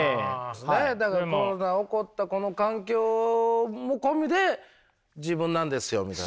何やったらコロナ起こったこの環境も込みで自分なんですよみたいな。